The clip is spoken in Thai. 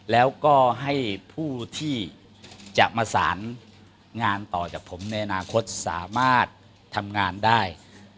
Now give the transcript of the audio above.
แล้วก็ให้ผู้ที่จะมาสารงานต่อจากผมในอนาคตสามารถทำงานได้